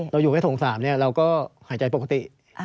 เราอยู่ไม่ถง๓เราก็หายใจปกติ